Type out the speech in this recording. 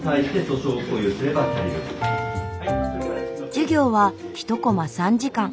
授業は１コマ３時間。